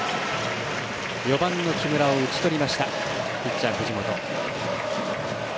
４番の木村を打ちとりましたピッチャー、藤本。